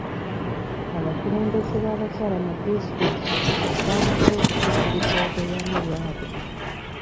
Abakulembeze b'abakyala mu disitulikiti baamaze kutuukiriza obweyamo bwabwe.